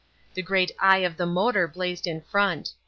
The great eye of the motor blazed in front.